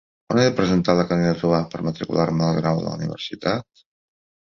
On he de presentar la candidatura per matricular-me al grau de la universitat?